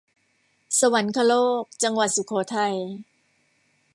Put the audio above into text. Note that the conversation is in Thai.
สวรรคโลก จังหวัดสุโขทัย